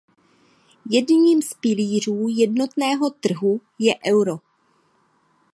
Jedním z pilířů jednotného trhu je euro.